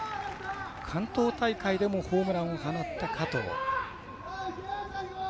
関東大会でもホームランを放った加藤。